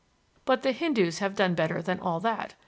But the Hindoos have done better than all that.